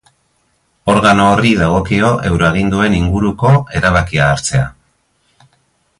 Organo horri dagokio euroaginduen inguruko erabakia hartzea.